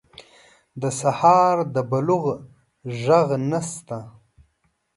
د سهار د بلوغ ږغ نشته